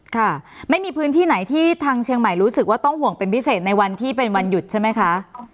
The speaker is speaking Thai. ค่ะไม่มีพื้นที่ไหนที่ทางเชียงใหม่รู้สึกว่าต้องห่วงเป็นพิเศษในวันที่เป็นวันหยุดใช่ไหมคะ